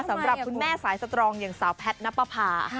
สำหรับคุณแม่สายสตรองอย่างสาวแพทย์นับประพา